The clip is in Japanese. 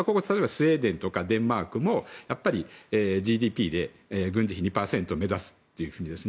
例えばスウェーデンとかデンマークもやっぱりＧＤＰで軍事費２％を目指すというふうに。